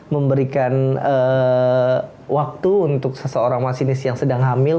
memberikan waktu untuk seseorang masinis yang sedang hamil